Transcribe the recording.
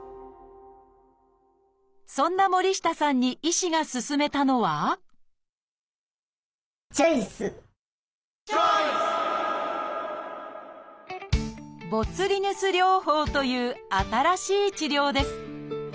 そんな森下さんに医師が勧めたのはチョイス！という新しい治療です。